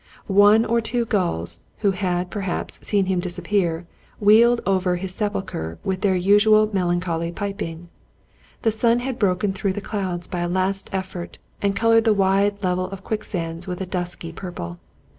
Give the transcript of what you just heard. One or two gulls, who had, perhaps, seen him disappear, wheeled over his sepulcher with their usual melancholy piping. The sun had broken through the clouds by a last effort, and colored the wide level of quicksands with a dusky purple.